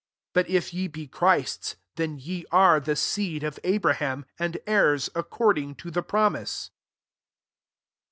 29 But if ye be Christ's, then ye are the seed of Abraham, [and^ heirs accord ing to the promise.